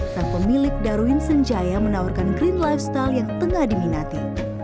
sang pemilik darwin senjaya menawarkan green lifestyle yang tengah diminati